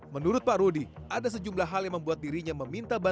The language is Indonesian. menurut pak rudi ada sejumlah hal yang membuat dirinya meminta bantuan